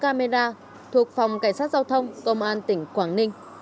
camera thuộc phòng cảnh sát giao thông công an tỉnh quảng ninh